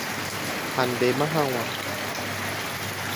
ha ndéma hag̃ua